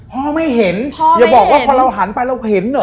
พ่อไม่เห็นอย่าบอกว่าพอเราหันไปเราเห็นเหรอ